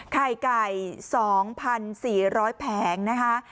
ไข่ไก่๒๔๐๐แผงนะคะ